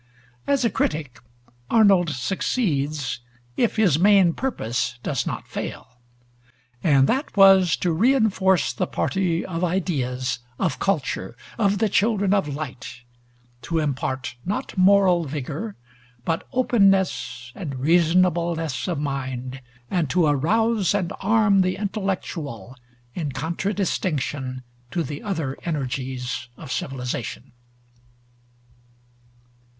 As a critic, Arnold succeeds if his main purpose does not fail, and that was to reinforce the party of ideas, of culture, of the children of light; to impart, not moral vigor, but openness and reasonableness of mind; and to arouse and arm the intellectual in contradistinction to the other energies of civilization.